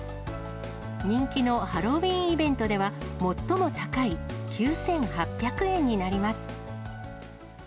人気のハロウィーンイベントでは、最も高い、９８００円になります。